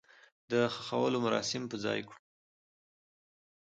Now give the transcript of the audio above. د خښولو مراسم په ځاى کړو.